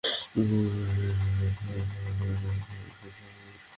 প্রথমার্ধে ওয়েসলি স্নেইডারের একটি শটটা চলে গেছে গোলপোস্টের বেশ খানিকটা বাইরে দিয়ে।